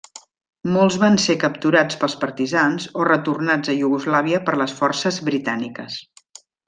Molts van ser capturats pels partisans o retornats a Iugoslàvia per les forces britàniques.